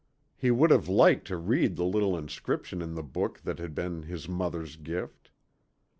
He would have liked to read the little inscription in the book that had been his mother's gift.